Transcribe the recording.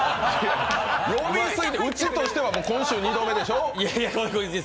呼びすぎってうちとしては今週２度目でしょう？